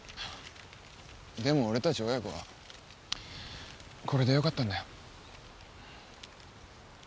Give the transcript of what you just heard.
でも俺たち親子はこれでよかったんだよ。